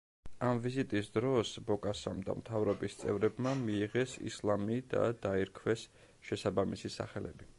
ამ ვიზიტის დროს ბოკასამ და მთავრობის წევრებმა მიიღეს ისლამი და დაირქვეს შესაბამისი სახელები.